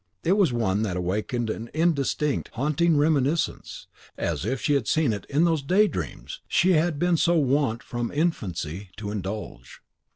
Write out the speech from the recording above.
It was one that awakened an indistinct, haunting reminiscence, as if she had seen it in those day dreams she had been so wont from infancy to indulge.